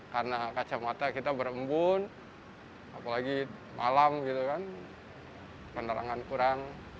karena kacamata kita berkembun apalagi malam penerangan kurang